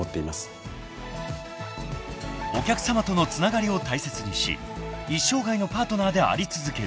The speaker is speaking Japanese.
［お客さまとのつながりを大切にし一生涯のパートナーであり続ける］